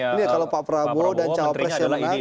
ini kalau pak prabowo dan cawapres yang menang